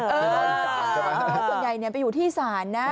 ส่วนใหญ่อยู่ที่อิสาร